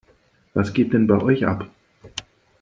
Was geht denn bei euch ab?